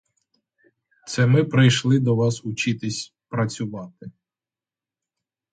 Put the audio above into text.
Це ми прийшли до вас учитись працювати.